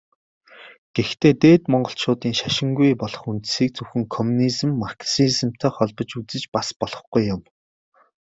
Гэхдээ Дээд Монголчуудын шашингүй болох үндсийг зөвхөн коммунизм, марксизмтай холбон үзэж бас болохгүй юм.